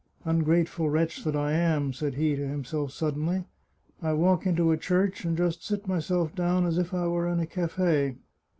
" Ungrateful wretch that I am," said he to himself suddenly ;" I walk into a church, and just sit myself down as if I were in a cafe."